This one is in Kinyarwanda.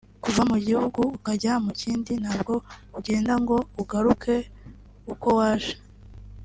kuva mu gihugu ukajya mu cy’indi ntabwo ugenda ngo ugaruke uko waje